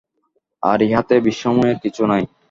আর ইহাতে বিস্ময়ের কিছু নাই।